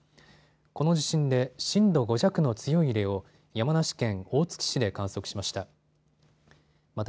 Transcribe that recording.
この地震で震度５弱の強い揺れを山梨県大月市で観測しました。